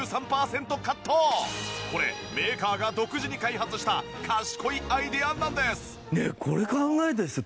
これメーカーが独自に開発した賢いアイデアなんです。